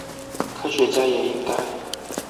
科學家也應該